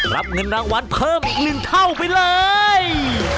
รับเงินรางวัลเพิ่มอีก๑เท่าไปเลย